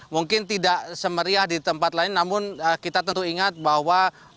mungkin tidak semeriah di tempat lain namun kita tentu ingat bahwa